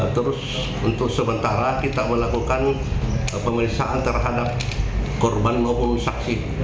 terus untuk sementara kita melakukan pemeriksaan terhadap korban maupun saksi